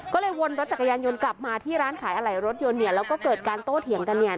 ก็เลยวนรถจักรยานยนต์กลับมาที่ร้านขายอะไหล่รถยนต์เนี่ยแล้วก็เกิดการโต้เถียงกันเนี่ย